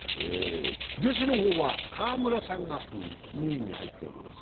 女子の方は川村さんが２位二はいています。